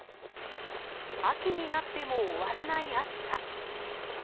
秋になっても終わらない暑さ。